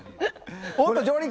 おっと上陸！